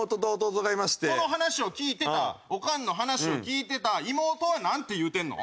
その話を聞いてたオカンの話を聞いてた妹はなんて言うてんの？